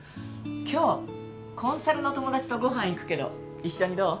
今日コンサルの友達とごはん行くけど一緒にどう？